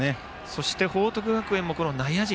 そして報徳学園も内野陣。